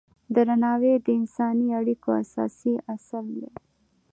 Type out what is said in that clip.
درناوی د انساني اړیکو اساسي اصل دی.